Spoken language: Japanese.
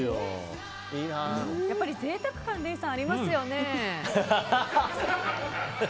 やっぱり贅沢感礼さん、ありますよね。